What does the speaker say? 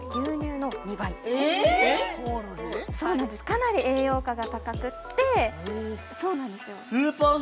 かなり栄養価が高くてそうなんですよ